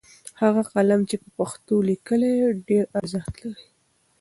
هغه قلم چې په پښتو لیکي ډېر ارزښت لري.